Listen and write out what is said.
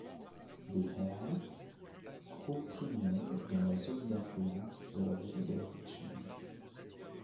The Elite: groupe criminel dont la zone d'influence est la ville de Richmond.